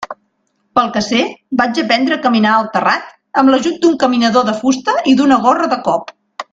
Pel que sé, vaig aprendre a caminar al terrat amb l'ajut d'un caminador de fusta i d'una gorra de cop.